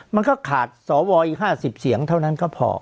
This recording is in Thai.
มันก็ขาดสวอีก๕๐เสียงเท่านั้นก็พอ